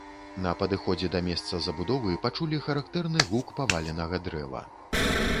На падыходзе да месца забудовы пачулі характэрны гук паваленага дрэва.